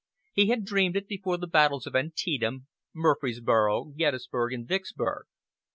He had dreamed it before the battles of Antietam, Murfreesboro, Gettysburg and Vicksburg.